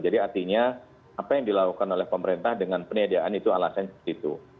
jadi artinya apa yang dilakukan oleh pemerintah dengan penyediaan itu alasan seperti itu